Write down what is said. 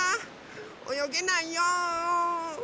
およげないよ。